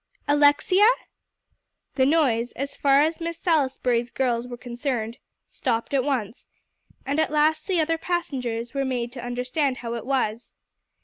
"Alexia?" The noise, as far as Miss Salisbury's girls were concerned, stopped at once; and at last the other passengers were made to understand how it was.